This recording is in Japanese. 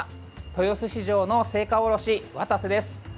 豊洲市場の青果卸、渡瀬です。